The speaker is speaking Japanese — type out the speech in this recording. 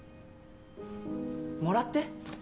もらって。